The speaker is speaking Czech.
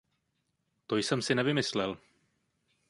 To jsem si nevymyslel.